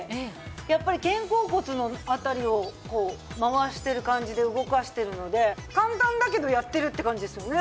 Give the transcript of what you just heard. やっぱり肩甲骨の辺りをこう回している感じで動かしているので簡単だけどやっているって感じですよね。